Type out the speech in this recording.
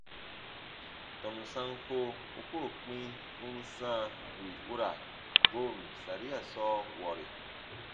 Tɔnu sanko u koo kpĩ u n sãa wì u ra goon saria sɔɔ wɔri?